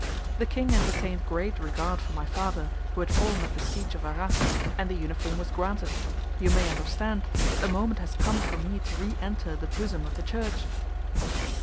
The king entertained great regard for my father, who had fallen at the siege of Arras, and the uniform was granted. You may understand that the moment has come for me to re enter the bosom of the Church."